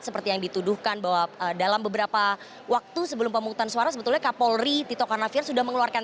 seperti yang dituduhkan bahwa dalam beberapa waktu sebelum pemungutan suara sebetulnya kapolri tito karnavian sudah mengeluarkan